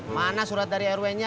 mana surat dari rw nya